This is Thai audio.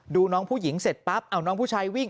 ดูน้องผู้หญิงเสร็จปั๊บเอาน้องผู้ชายวิ่ง